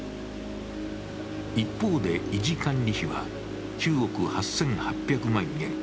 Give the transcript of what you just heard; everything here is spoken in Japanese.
一方で、維持管理費は９億８８００万円。